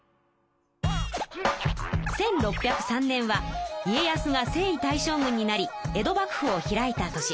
１６０３年は家康が征夷大将軍になり江戸幕府を開いた年。